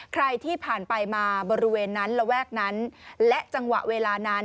ใครที่ผ่านไปมาบริเวณนั้นระแวกนั้นและจังหวะเวลานั้น